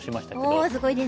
おおすごいですね。